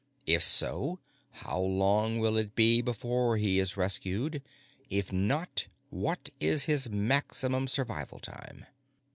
If so, how long will it be before he is rescued? If not, what is his maximum survival time?